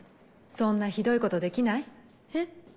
そんなひどいことできない？え？